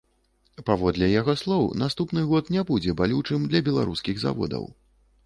Паводле яго слоў, наступны год не будзе балючым для беларускіх заводаў.